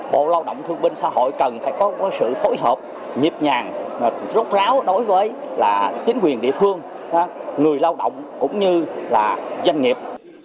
bộ lao động thương binh xã hội cần phải có sự phối hợp nhịp nhàng rốt ráo đối với chính quyền địa phương người lao động cũng như là doanh nghiệp